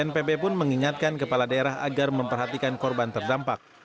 bnpb pun mengingatkan kepala daerah agar memperhatikan korban terdampak